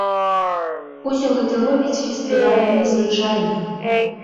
Усё гэта робіць фестываль незвычайным.